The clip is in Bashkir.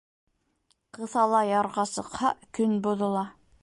Ҡыҫала ярға сыҡһа, көн боҙола.